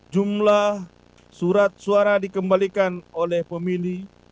jumlah surat suara dikembalikan oleh pemilih